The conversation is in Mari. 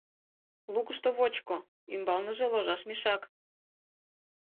Лукышто — вочко, ӱмбалныже — ложаш мешак.